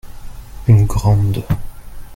Une grande.